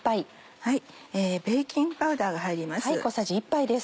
ベーキングパウダーが入ります。